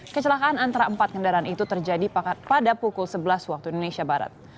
kecelakaan antara empat kendaraan itu terjadi pada pukul sebelas waktu indonesia barat